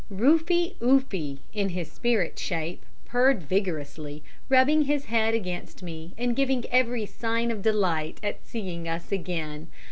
"Rufie Oofie," in his spirit shape, purred vigorously, rubbing his head against me and giving every sign of delight at seeing us again.